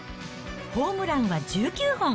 ホームランは１９本。